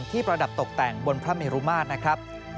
ประดับตกแต่งบนพระเมรุมาตรนะครับ